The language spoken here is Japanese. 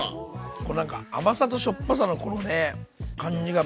こうなんか甘さとしょっぱさのこのね感じが。